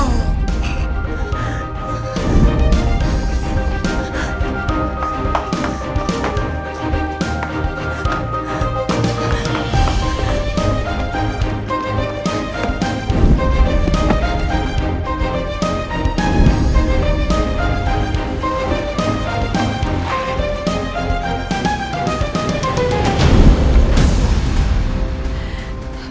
gak ada apa apa